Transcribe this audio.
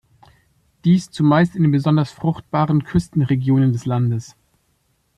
Dies zumeist in den besonders fruchtbaren Küstenregionen des Landes.